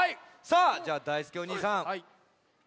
さあじゃあだいすけお兄さん。